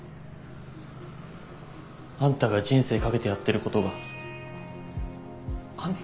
あんたが人生かけてやってることがあんな